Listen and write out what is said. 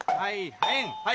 はいはい。